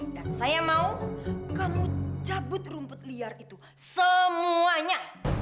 dan saya mau kamu cabut rumput liar itu semuanya